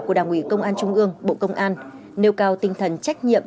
của đảng ủy công an trung ương bộ công an nêu cao tinh thần trách nhiệm